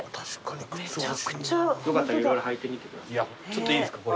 ちょっといいですか。